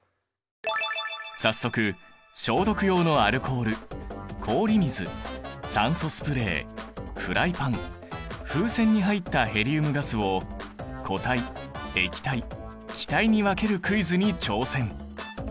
早速消毒用のアルコール氷水酸素スプレーフライパン風船に入ったヘリウムガスを固体液体気体に分けるクイズに挑戦！